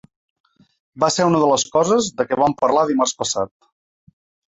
Va ser una de les coses de què vam parlar dimarts passat.